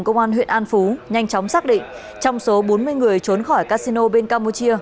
công an huyện an phú nhanh chóng xác định trong số bốn mươi người trốn khỏi casino bên campuchia